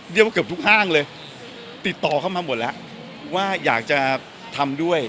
เรียกว่าเกือบทุกห้างเลยติดต่อเข้ามาหมดแล้วว่าอยากจะทำด้วย